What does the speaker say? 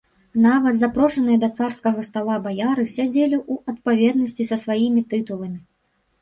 Нават запрошаныя да царскага стала, баяры сядзелі ў адпаведнасці са сваімі тытуламі.